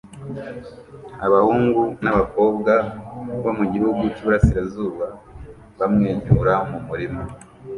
Abahungu n'abakobwa bo mu gihugu cy'iburasirazuba bamwenyura mu murima